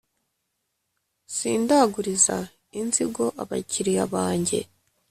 Sindaguliza inzigo abakiliya banjye